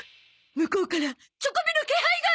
向こうからチョコビの気配が！